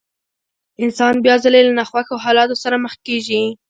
انسان بيا ځلې له ناخوښو حالاتو سره مخ کېږي.